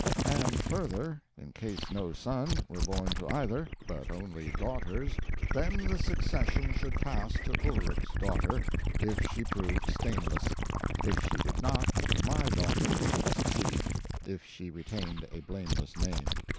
And further, in case no son were born to either, but only daughters, then the succession should pass to Ulrich's daughter, if she proved stainless; if she did not, my daughter should succeed, if she retained a blameless name.